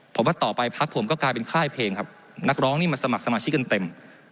ผมว่าต่อไปพักผมก็กลายเป็นค่ายเพลงครับนักร้องนี่มาสมัครสมาชิกกันเต็ม